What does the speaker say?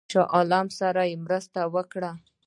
د شاه عالم سره مرسته وکړم.